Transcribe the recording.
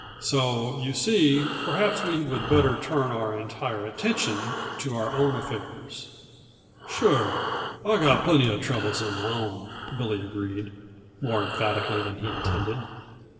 So you see, perhaps we would better turn our entire attention to our own affairs." "Sure. I got plenty uh troubles uh my own," Billy agreed, more emphatically than he intended.